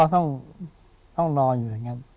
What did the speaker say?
ต้องรออยู่อย่างนั้น